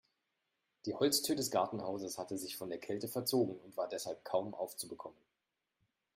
Die Holztür des Gartenhauses hatte sich von der Kälte verzogen und war deshalb kaum aufzubekommen.